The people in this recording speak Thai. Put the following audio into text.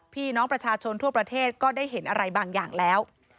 พี่น้องประชาชนทั่วประเทศก็ได้เห็นอะไรบางอย่างแล้ว